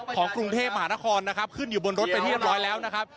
ของกรุงเทพมหานครนะครับขึ้นอยู่บนรถไปเรียบร้อยแล้วนะครับ